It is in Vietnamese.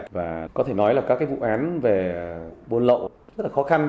và có thể nói là các vụ án về buôn lậu rất là khó khăn